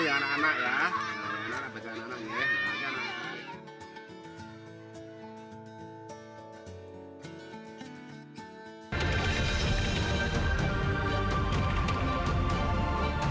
ini anak anak beads anak lagi ya